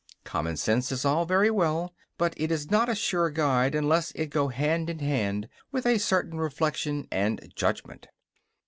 Common sense is all very well; but it is not a sure guide unless it go hand in hand with a certain reflection and judgment.